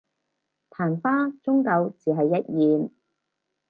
曇花終究只係一現